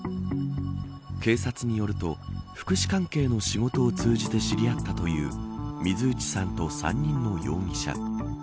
警察によると福祉関係の仕事を通じて知り合ったという水内さんと３人の容疑者。